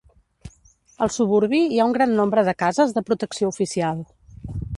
Al suburbi hi ha un gran nombre de cases de protecció oficial.